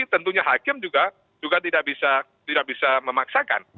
tentunya hakim juga tidak bisa memaksakan